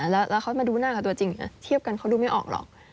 แล้วเขามาดูหน้ากับตัวจริงเทียบกันเขาดูไม่ออกหรอก